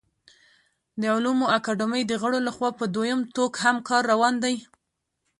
د علومو اکاډمۍ د غړو له خوا په دویم ټوک هم کار روان دی